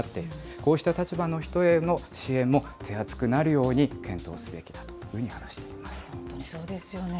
こうした立場の人への支援も手厚くなるように検討すべきだという本当にそうですよね。